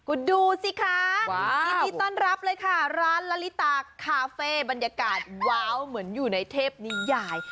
คุณดูสิคะยินดีต้อนรับเลยค่ะร้านละลิตาคาเฟ่บรรยากาศว้าวเหมือนอยู่ในเทพนิยาย